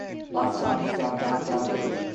Bus services are now provided by Ulsterbus.